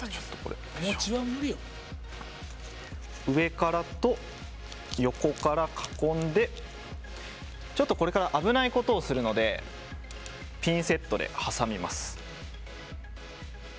上からと横から囲んでちょっとこれから危ないことをするのでピンセットで挟みます。